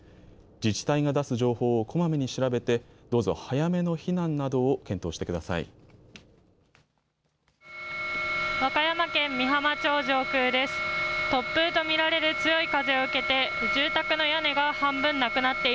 自治体が出す情報をこまめに調べてどうぞ早めの避難などを検討してください。